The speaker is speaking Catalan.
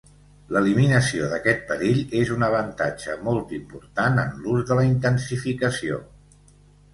L'eliminació d'aquest perill és un avantatge molt important en l'ús de la intensificació.